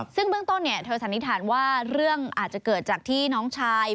ซึ่งเบื้องต้นเธอสันนิษฐานว่าเรื่องอาจจะเกิดจากที่น้องชาย